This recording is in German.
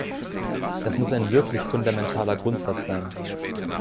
Das muss ein wirklich fundamentaler Grundsatz sein.